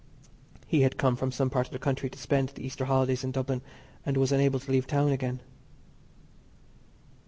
He had come from some part of the country to spend the Easter Holidays in Dublin, and was unable to leave town again.